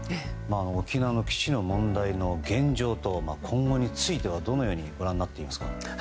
沖縄の基地の問題の現状と今後については、どのようにご覧になっていますか。